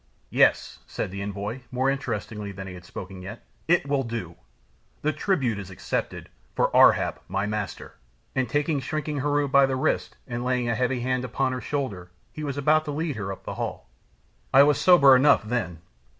"Yes," said the enjoy, more interestedly than he had spoken yet, "it will do; the tribute is accepted for Ar hap, my master!" And taking shrinking Heru by the wrist, and laying a heavy hand upon her shoulder, he was about to lead her up the hall. I was sober enough then.